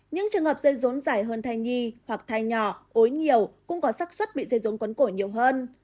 những trường hợp dây rốn dài hơn thai nhi hoặc thai nhỏ ối nhiều cũng có sắc xuất bị dây rốn cuốn cổ nhiều hơn